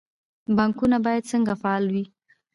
بانکونه باید څنګه فعال وي؟